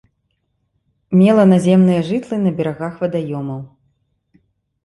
Мела наземныя жытлы на берагах вадаёмаў.